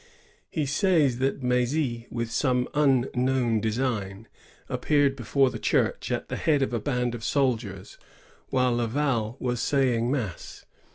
He says that M^zy, with some unknown design, appeared before the church at the head of a band of soldieis, while Laval was saying mass.